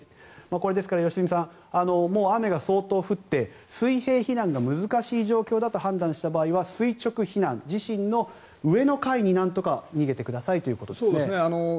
これはですから、良純さん雨が相当降って水平避難が難しいと判断した場合は垂直避難自身の上の階になんとか逃げてくださいといういことですね。